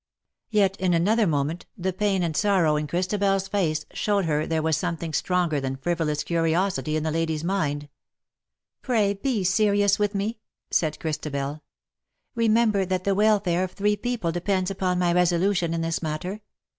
Yet, in another moment, the pain and sorrow in Christabel's face showed her and there was some thing stronger than frivolous curiosity in the lady's mind. '^ Pray be serious with me," said Christabel. u3 292 "love is love for evermore." " Remember that the welfare of three people depends •upon my resolution in this matter.